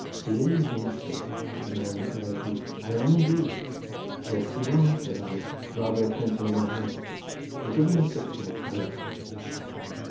"Dearie me, sir," said the man, looking very pleased, "am I indeed?" "Yes, you are," said I, rather repenting of my haste, and giving him sixpence, I left him.